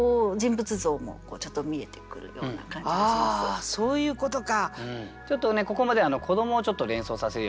あそういうことか！